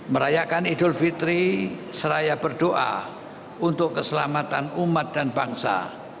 merayakan idul fitri seraya berdoa untuk keselamatan umat dan bangsa